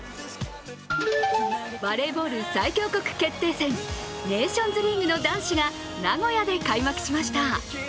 バレーボール最強国決定戦ネーションズリーグの男子が名古屋で開幕しました。